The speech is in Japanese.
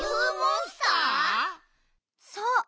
そう！